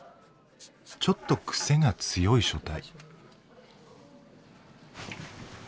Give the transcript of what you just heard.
ちょっと癖が強い書体。